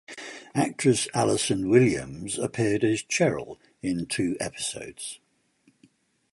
Actress Allison Williams appeared as Cheryl in two episodes.